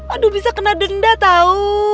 aduh bisa kena denda tau